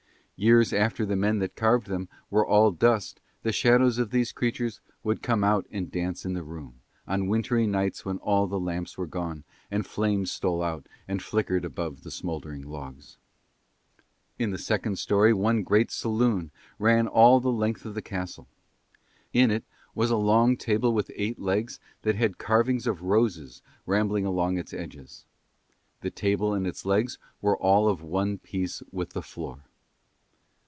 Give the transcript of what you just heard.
Years after the men that carved them were all dust the shadows of these creatures would come out and dance in the room, on wintry nights when all the lamps were gone and flames stole out and flickered above the smouldering logs. In the second storey one great saloon ran all the length of the castle. In it was a long table with eight legs that had carvings of roses rambling along its edges: the table and its legs were all of one piece with the floor.